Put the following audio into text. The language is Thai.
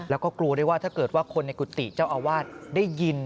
แล้วก็กลัวด้วยว่าถ้าเกิดว่าคนในกุฏิเจ้าอาวาสได้ยิน